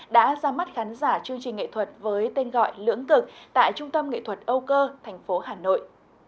đã ra mắt khán giả chương trình nghệ thuật với tên gọi lưỡng cực tại trung tâm nghệ thuật âu cơ thành phố hà nội